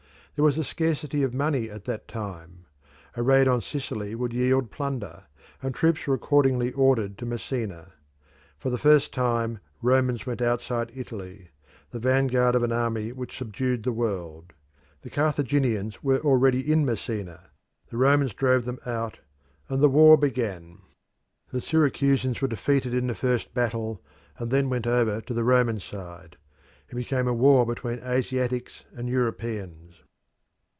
There was a scarcity of money at that time; a raid on Sicily would yield plunder, and troops were accordingly ordered to Messina. For the first time Romans went outside Italy the vanguard of an army which subdued the world. The Carthaginians were already in Messina: the Romans drove them out, and the war began. The Syracusans were defeated in the first battle, and then went over to the Roman side. It became a war between Asiatics and Europeans.